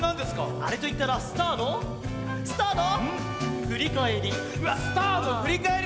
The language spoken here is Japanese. あれといったらスターのスターのふりかえり。